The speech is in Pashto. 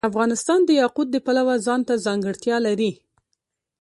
افغانستان د یاقوت د پلوه ځانته ځانګړتیا لري.